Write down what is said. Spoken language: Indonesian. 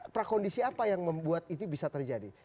prakondisi apa yang membuat itu bisa terjadi